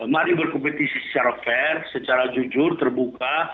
mari berkompetisi secara fair secara jujur terbuka